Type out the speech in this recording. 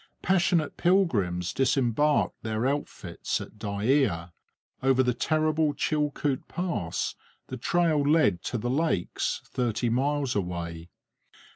Passionate pilgrims disembarked their outfits at Dyea. Over the terrible Chilcoot Pass the trail led to the lakes, thirty miles away.